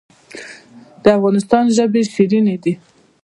د افغانستان ژبې شیرینې دي